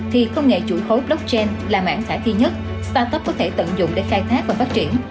thì công nghệ chủ khối blockchain là mảng thả khi nhất start up có thể tận dụng để khai thác và phát triển